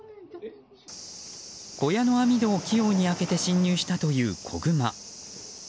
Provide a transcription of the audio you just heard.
小屋の網戸を器用に開けて侵入したという子グマ。